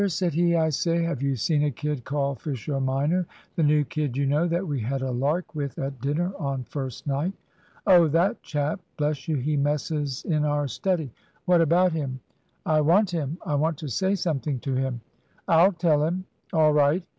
said he. "I say, have you seen a kid called Fisher minor? The new kid, you know, that we had a lark with at dinner on first night." "Oh, that chap. Bless you, he messes in our study. What about him?" "I want him. I want to say something to him." "I'll tell him." "All right.